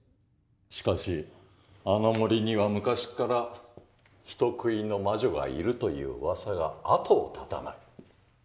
しかしあの森には昔から人食いの魔女がいるといううわさが後を絶たない。